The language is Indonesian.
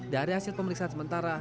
dari hasil pemeriksaan sementara